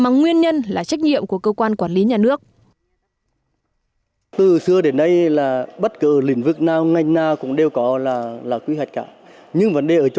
nhân là trách nhiệm của cơ quan quản lý nhà nước